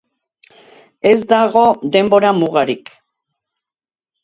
Ez dago denbora mugarik.